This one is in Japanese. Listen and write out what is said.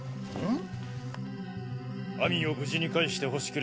ん？